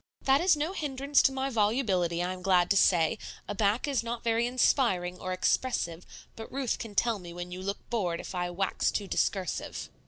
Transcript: "That is no hindrance to my volubility, I am glad to say; a back is not very inspiring or expressive, but Ruth can tell me when you look bored if I wax too discursive."